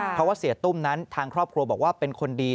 เพราะว่าเสียตุ้มนั้นทางครอบครัวบอกว่าเป็นคนดี